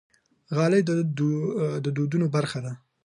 غالۍ د دودونو برخه ده.